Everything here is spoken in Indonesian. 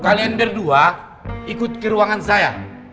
kalian berdua ikut ke ruangan saya